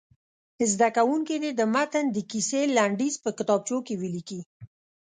زده کوونکي دې د متن د کیسې لنډیز په کتابچو کې ولیکي.